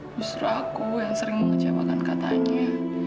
justru aku yang sering mengecewakan katanya